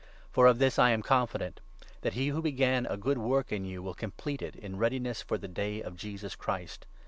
For of this I am confident, that he who began a 6 good work in you will complete it in readiness for the Day of Jesus Christ.